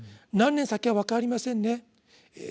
何年先か分かりませんね。